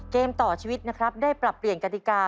เกมต่อชีวิตนะครับได้ปรับเปลี่ยนกฎิกา